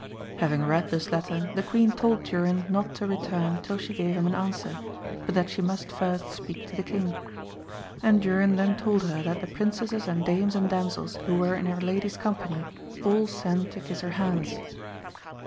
Having read this letter the queen told Durin not to return till she gave him an answer, but that she must first speak to the king. And Durin then told her that the princesses and dames and damsels who were in her lady's company, all sent to kiss her hands.